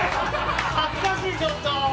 恥ずかしいちょっと！